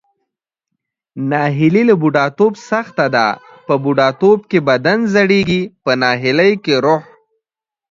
ناهیلي له بوډاتوب سخته ده، په بوډاتوب کې بدن زړیږي پۀ ناهیلۍ کې روح.